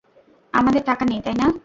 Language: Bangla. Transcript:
আমাদের টাকা নেই, তাই না?